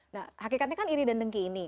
nah hakikatnya kan iri dan dengki ini